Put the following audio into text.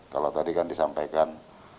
kalau tadi kan disampaikan